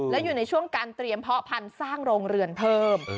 และอยู่ในช่วงการเตรียมเพาะพันธุ์สร้างโรงเรือนเพิ่ม